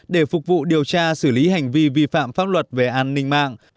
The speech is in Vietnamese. để phục vụ điều tra xử lý hành vi vi phạm pháp luật về an ninh mạng